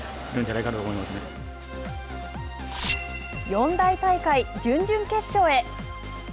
四大大会準々決勝へ！